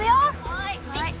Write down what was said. はい。